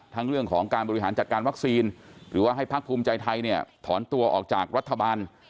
เรื่องของการบริหารจัดการวัคซีนหรือว่าให้พักภูมิใจไทยเนี่ยถอนตัวออกจากรัฐบาล